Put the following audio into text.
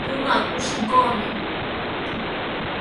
Ñuqa kushikuumi.